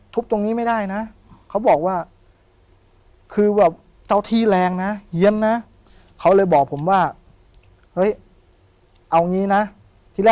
กูไม่อยากให้มึงเขาเรียกว่าไง